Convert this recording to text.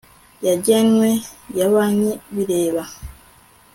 yagenwe ya banki bireba